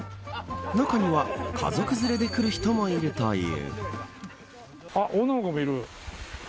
中には、家族連れで来る人もいるという。